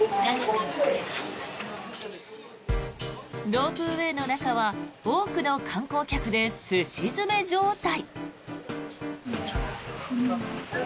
ロープウェーの中は多くの観光客ですし詰め状態。